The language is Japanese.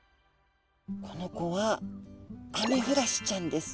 この子はアメフラシちゃんです。